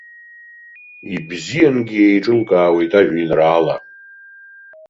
Ибзиангьы еиҿылкаауеит ажәеинраала.